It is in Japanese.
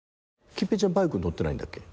桔平ちゃんバイク乗ってないんだっけ？